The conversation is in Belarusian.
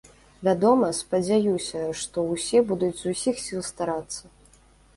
Вядома, спадзяюся, што ўсе будуць з усіх сіл старацца.